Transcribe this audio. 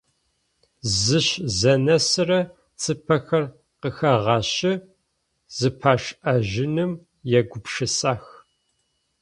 Зыщзэнэсырэ цыпэхэр къыхагъэщы, зэпашӏэжьыным егупшысэх.